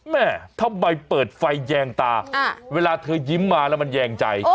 แม่ทำไมเปิดไฟแยงตาเวลาเธอยิ้มมาแล้วมันแยงใจ